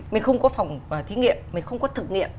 mình không có phòng thí nghiệm mình không có thực nghiệm